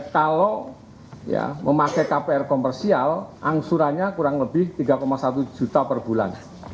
kalau memakai kpr komersial angsurannya kurang lebih tiga satu juta per bulan